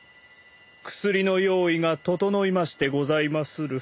薬の用意が調いましてございまする。